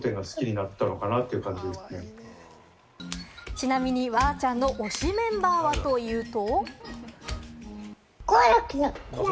ちなみに、わーちゃんの推しメンバーはというと。